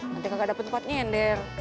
nanti kagak dapet tempatnya yander